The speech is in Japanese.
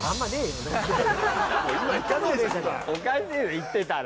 おかしいよ行ってたら。